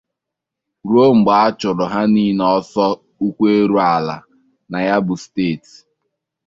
ruo mgbe a chụrụ ha niile ọsọ ụkwụ erughị ala na ya bụ steeti.